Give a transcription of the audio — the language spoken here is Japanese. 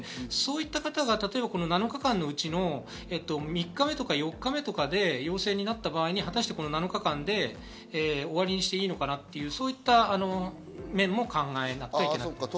そういった方が７日間のうちの３日目とか４日目とかで陽性になった場合に、果たしてこの７日間で終わりにしていいのかなという面も考えなきゃいけないです。